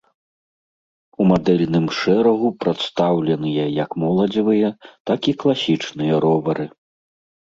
У мадэльным шэрагу прадстаўленыя як моладзевыя, так і класічныя ровары.